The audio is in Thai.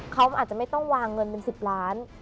เขาอาจจะไม่ต้องวางเงินเป็น๑๐ล้าน